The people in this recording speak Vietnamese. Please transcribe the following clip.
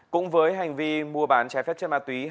cũng với hành vi mua bán trái phép chất ma túy